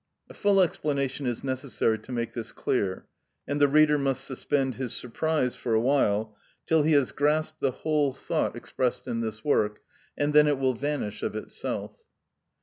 A full explanation is necessary to make this clear, and the reader must suspend his surprise for a while, till he has grasped the whole thought expressed in this work, and then it will vanish of itself.